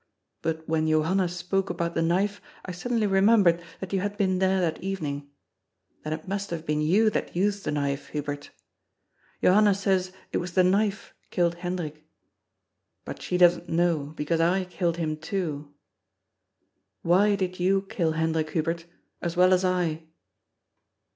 But when Johanna spoke about the knife, I suddenly remembered that you had been there that evening. Then it must have been you that used the knife, Hubert. Johanna says it was the knife killed Hendrik. But she doesn't know, because I killed him too. Why did you kill Hendrik, Hubert, as well as I